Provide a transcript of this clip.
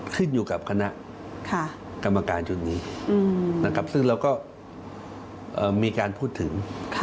ขึ้นอยู่กับคณะกรรมการชุดนี้นะครับซึ่งเราก็มีการพูดถึง